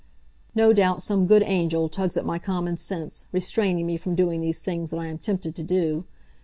No doubt some good angel tugs at my common sense, restraining me from doing these things that I am tempted to do.